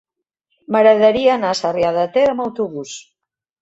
M'agradaria anar a Sarrià de Ter amb autobús.